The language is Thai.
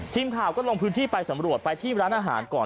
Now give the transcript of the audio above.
ทีมข่าวก็ลงพื้นที่ไปสำรวจไปที่ร้านอาหารก่อน